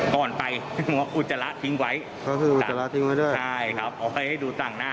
ก่อนไปอุจจาระทิ้งไว้ใช่ครับเอาไว้ให้ดูสั่งหน้า